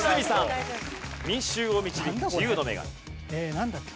なんだっけ？